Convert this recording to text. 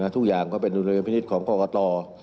ทุกอย่างก็เป็นดุลยพินิษฐ์ของกรกต